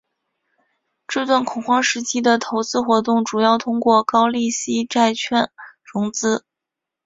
这段恐慌时期的投资活动主要通过高利息债券融资。